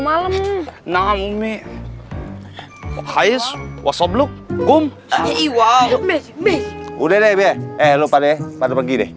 malem nami hai what's up look um ii wow udah deh eh lupa deh pada pergi deh